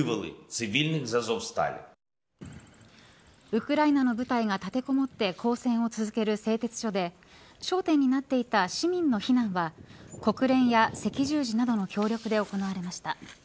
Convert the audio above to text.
ウクライナの部隊が立てこもって抗戦を続ける製鉄所で焦点になっていた市民の避難は国連や赤十字などの協力で行われました。